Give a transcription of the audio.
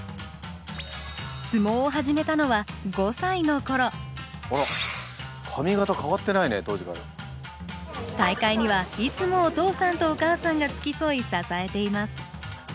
相撲を始めたのは５歳の頃あら大会にはいつもお父さんとお母さんが付き添い支えています